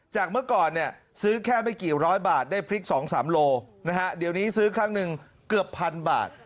เมื่อก่อนเนี่ยซื้อแค่ไม่กี่ร้อยบาทได้พริก๒๓โลนะฮะเดี๋ยวนี้ซื้อครั้งหนึ่งเกือบพันบาท